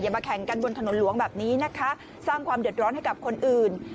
มาแข่งกันบนถนนหลวงแบบนี้นะคะสร้างความเดือดร้อนให้กับคนอื่น